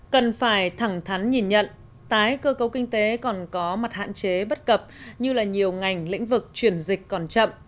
cần phải thẳng thắn nhìn nhận tái cơ cấu kinh tế còn có mặt hạn chế bất cập như là nhiều ngành lĩnh vực chuyển dịch còn chậm